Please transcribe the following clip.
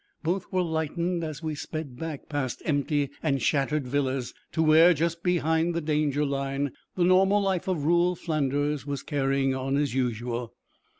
Both were lightened as we sped back past empty and shattered villas to where, just behind the danger line, the normal life of rural Flanders was carrying on as usual.